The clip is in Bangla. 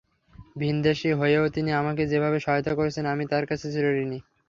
ভিনদেশি হয়েও তিনি আমাকে যেভাবে সহায়তা করেছেন, আমি তাঁর কাছে চিরঋণী।